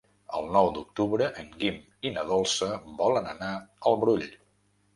El nou d'octubre en Guim i na Dolça volen anar al Brull.